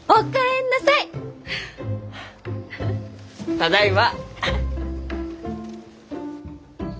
ただいま！